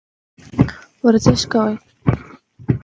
ورزش کوئ.